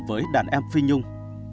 với đàn em phi nhung